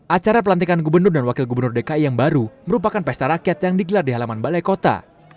acara pelantikan gubernur dan wakil gubernur dki yang baru merupakan pesta rakyat yang digelar di halaman balai kota